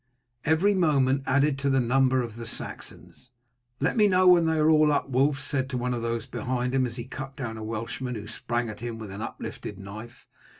Every moment added to the number of the Saxons. "Let me know when they are all up," Wulf said to one of those behind him, as he cut down a Welshman who sprang at him with uplifted knife.